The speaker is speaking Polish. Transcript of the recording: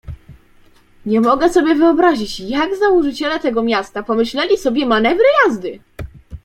"Nie mogę sobie wyobrazić, jak założyciele tego miasta mogli sobie pomyśleć manewry jazdy!"